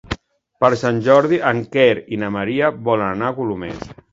Per Sant Jordi en Quer i na Maria volen anar a Colomers.